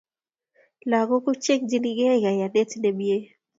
Lakok tutekchingei kayaenet ne mie